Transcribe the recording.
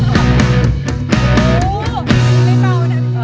ตัวเบาหน่อยจ้ะ